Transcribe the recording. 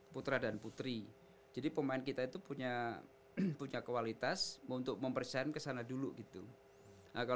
putra dan putri jadi pemain kita itu punya kualitas untuk mempersiapin kesana dulu gitu